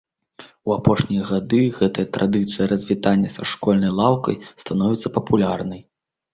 У апошнія гады гэтая традыцыя развітання са школьнай лаўкай становіцца папулярнай.